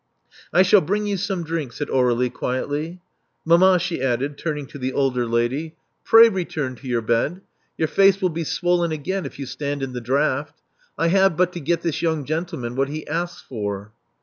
I shall bring you some drink," said Aurdlie quietly. Mamma," she added, turning to the older lady: 350 Love Among the Artists pray return to your bed. Your face will be swollen again if you stand in the draught. I have but to get this young gentleman what he asks for."